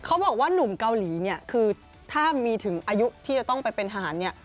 เขาบอกว่านุ่มเกาหลีถ้ามีถึงอายุที่จะต้องไปเป็นหาญ